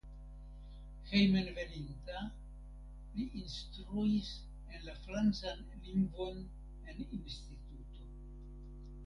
Hejmenveninta li instruis en la francan lingvon en instituto.